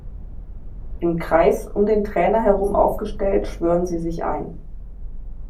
Im Kreis um den Trainer herum aufgestellt schwören sie sich ein.